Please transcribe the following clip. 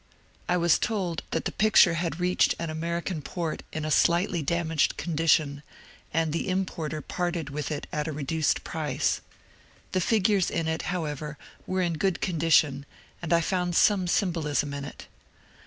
I was told that the picture had reached an American port in a slightly damaged condition, and the importer parted with it at a reduced price. The fig ures in it, however, were in good condition, and I found some symbolism in it.